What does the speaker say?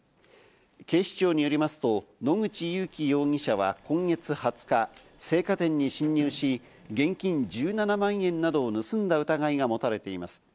警視庁よりますと、野口勇樹容疑者は今月２０日、青果店に侵入し、現金１７万円などを盗んだ疑いが持たれています。